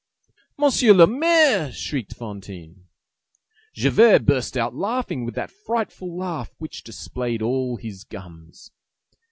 "Monsieur le Maire!" shrieked Fantine. Javert burst out laughing with that frightful laugh which displayed all his gums.